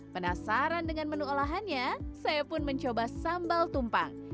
penasaran dengan menu olahannya saya pun mencoba sambal tumpang